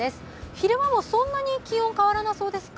昼間もそんなに気温変わらなそうですか？